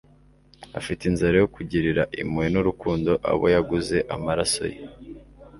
Afite inzara yo kugirira impuhwe n’urukundo abo yaguze amaraso ye.